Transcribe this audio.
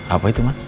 apa itu ma